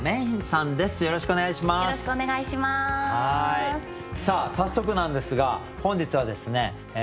さあ早速なんですが本日はですね